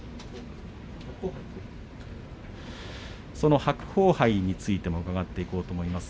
その白鵬杯についても伺っていこうと思います。